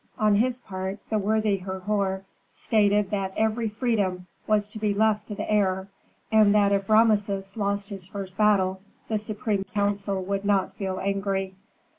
On his part, the worthy Herhor stated that every freedom was to be left to the heir, and that if Rameses lost his first battle, the supreme council would not feel angry.